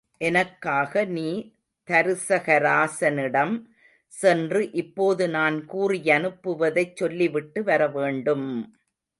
எனக்காக நீ தருசகராசனிடம் சென்று இப்போது நான் கூறியனுப்புவதைச் சொல்லிவிட்டு வர வேண்டும்!